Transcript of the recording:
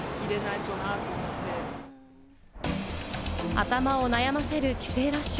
頭を悩ませる帰省ラッシュ。